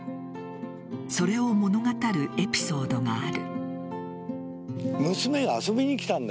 それを物語るエピソードがある。